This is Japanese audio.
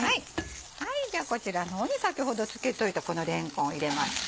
ではこちらの方に先ほどつけといたこのれんこん入れます。